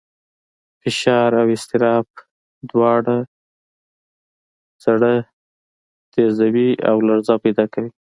فشار او اضطراب دواړه زړه تېزوي او لړزه پیدا کوي.